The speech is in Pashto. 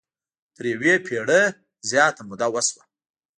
تر یوې پېړۍ زیاته موده وشوه.